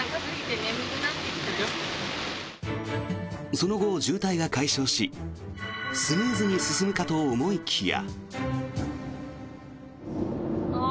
その後、渋滞が解消しスムーズに進むかと思いきや。